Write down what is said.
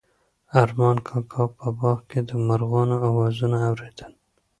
ارمان کاکا په باغ کې د مرغانو اوازونه اورېدل.